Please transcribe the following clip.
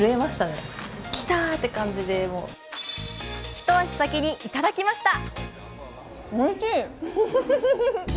一足先にいただきました。